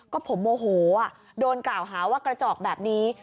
ก็ผมโมโหโดนกล่าวหาว่ากระจอกแบบนี้